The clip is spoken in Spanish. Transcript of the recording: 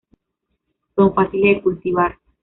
Son fáciles de cultivar.